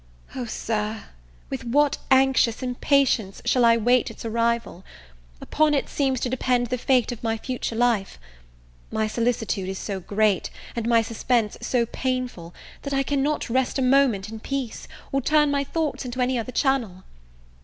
O, Sir, with what anxious impatience shall I wait its arrival! upon it seems to depend the fate of my future life. My solicitude is so great, and my suspense so painful, that I cannot rest a moment in peace, or turn my thoughts into any other channel.